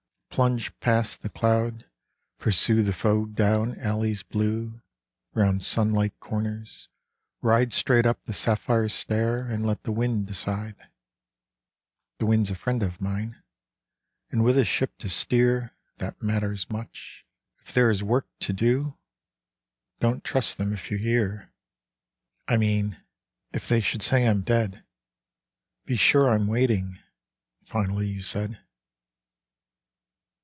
Plunge past the cloud, pursue The foe down alleys blue Round sunlight corners, ride Straight up the sapphire stair And let the wind decide !... The wind's a friend of mine, And with a ship to steer That matters much ! If there is work to do ! Don't trust them if you hear ... 36 Adventure I mean ... if they should say I'm dead, Be sure I'm waiting !" finally you said.